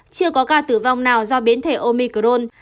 chưa có ca tử vong nào do biến thể omicrone